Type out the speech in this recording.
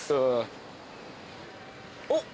おっ！